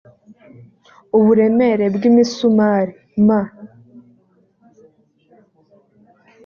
uburemere bw imisumari m